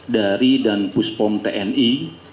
dari dan puspom tni